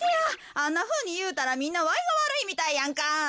あんなふうにいうたらみんなわいがわるいみたいやんか。